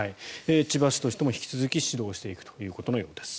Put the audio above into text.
千葉市としても引き続き指導していくということのようです。